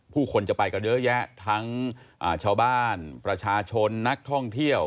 ผู้คนจะไปกันเยอะแยะทั้งชาวบ้านประชาชนนักท่องเที่ยว